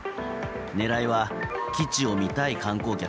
狙いは、基地を見たい観光客。